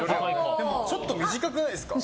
ちょっと短くないですか？